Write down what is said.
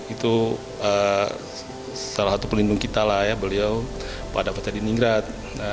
itu salah satu pelindung kita lah ya beliau pada peta di ninggrat